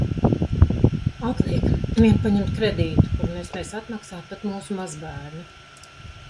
Atliek vien paņemt kredītu, kuru nespēs atmaksāt pat mūsu mazbērni.